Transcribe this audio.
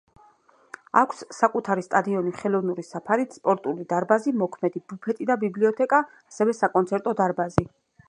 აქვს საკუთარი სტადიონი ხელოვნური საფარით, სპორტული დარბაზი, მოქმედი ბუფეტი და ბიბლიოთეკა, ასევე საკონცერტო დარბაზი.